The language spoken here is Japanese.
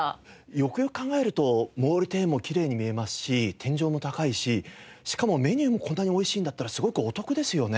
よくよく考えると毛利庭園もきれいに見えますし天井も高いししかもメニューもこんなにおいしいんだったらすごくお得ですよね。